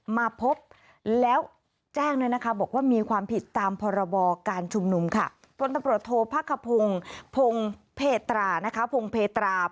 มาพบแล้วแจ้งด้วยนะคะบอกว่ามีความผิดตามพรบอการชุมนุมค่ะ